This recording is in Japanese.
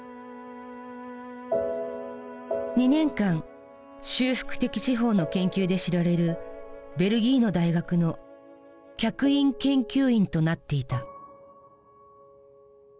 ２年間修復的司法の研究で知られるベルギーの大学の客員研究員となっていた。